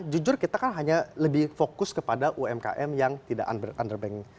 jujur kita kan hanya lebih fokus kepada umkm yang tidak underbank